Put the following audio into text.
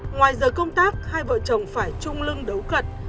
ngoài giờ công tác hai vợ chồng phải chung lưng đấu cận